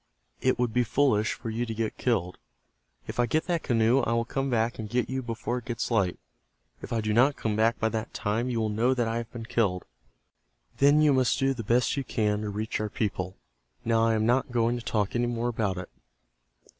It would be foolish for you to get killed. If I get that canoe I will come back and get you before it gets light. If I do not come back by that time you will know that I have been killed. Then you must do the best you can to reach our people. Now I am not going to talk any more about it.